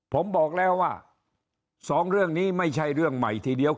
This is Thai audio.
ผมบอกแล้วว่าสองเรื่องนี้ไม่ใช่เรื่องใหม่ทีเดียว